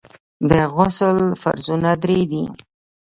د غسل فرضونه درې دي.